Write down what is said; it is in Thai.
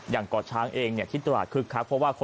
อย่างก่อช้างเองเนี่ยที่ตลาดคึกคัก